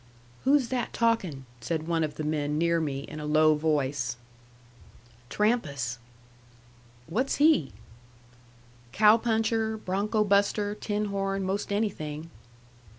"Who's that talkin'?" said one of the men near me, in a low voice. "Trampas." "What's he?" "Cow puncher, bronco buster, tin horn, most anything."